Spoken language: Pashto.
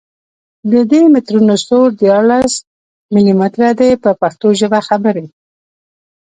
د دي مترونو سور دیارلس ملي متره دی په پښتو ژبه خبرې.